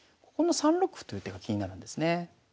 この３六歩という手が気になるんですね。